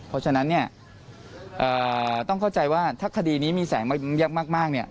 เพราะฉะนั้นเนี่ยต้องเข้าใจว่าถ้าคดีนี้มีแสงมากเนี่ย